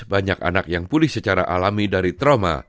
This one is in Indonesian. banyak anak yang pulih secara alami dari trauma